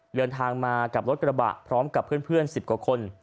เดินทางมากับรถกระบะพร้อมกับเพื่อน๑๐กว่าคน